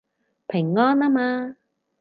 平安吖嘛